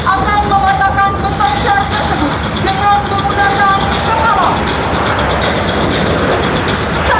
akan mewatakan betoncat tersebut dengan menggunakan kepala